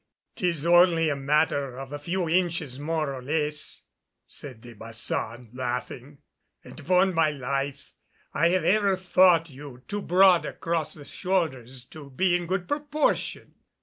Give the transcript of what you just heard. "'Tis only a matter of a few inches more or less," said De Baçan, laughing, "and upon my life, I have ever thought you too broad across the shoulders to be in good proportion."